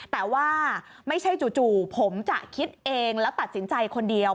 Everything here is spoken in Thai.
แต่ว่าไม่ใช่จู่ผมจะคิดเองแล้วตัดสินใจคนเดียว